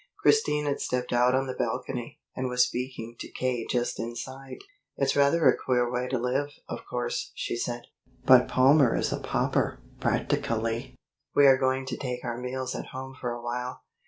Christine had stepped out on the balcony, and was speaking to K. just inside. "It's rather a queer way to live, of course," she said. "But Palmer is a pauper, practically. We are going to take our meals at home for a while.